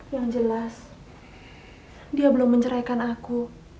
yang jelas dia belum menceraikan aku